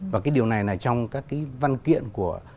và cái điều này là trong các cái văn kiện của